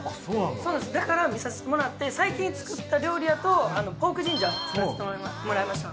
そうですだから見させてもらって最近作った料理やとポークジンジャー作らせてもらいました。